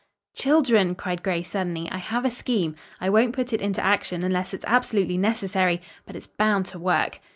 "Children," cried Grace suddenly, "I have a scheme. I won't put it into action unless it's absolutely necessary, but it's bound to work."